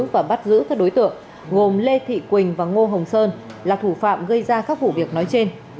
và bắt giữ các đối tượng gồm lê thị quỳnh và ngô hồng sơn là thủ phạm gây ra các vụ việc nói trên